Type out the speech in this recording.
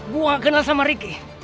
gue kenal sama ricky